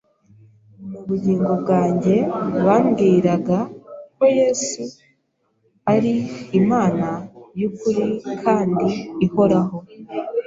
mu bugingo bwanjye. Bambwiraga ko Yesu ari Imana y’ukuri kandi ihoraho.